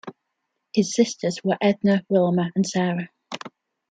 Her sisters were Edna, Wilma, and Sarah.